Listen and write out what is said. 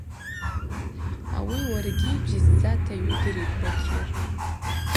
Ауи уаргьи бзидздзата йудыритӏ, Бакьыр.